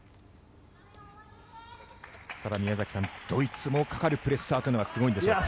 ただ、宮崎さん、ドイツもかかるプレッシャーというのはすごいんでしょうね。